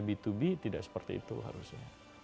b dua b tidak seperti itu harusnya